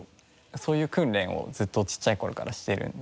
そういう訓練をずっとちっちゃい頃からしてるんで。